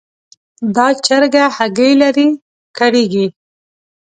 دا چرګه هګۍ لري؛ کړېږي.